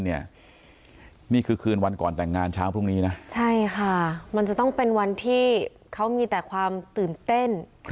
นี่คือคืนวันก่อนแต่งงานเช้าพรุ่งนี้นะใช่ค่ะมันจะต้องเป็นวันที่เขามีแต่ความตื่นเต้น